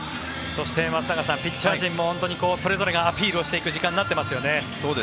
そして松坂さんピッチャー陣もそれぞれがアピールしていく時間になっていますよね。